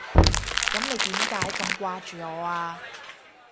噉你點解咁掛住我啊？